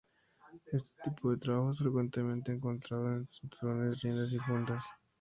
Éste tipo de trabajos es frecuentemente encontrado en cinturones, riendas y fundas.